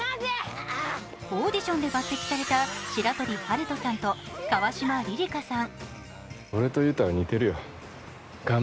オーディションで抜てきされた白鳥晴都さんと川島鈴遥さん。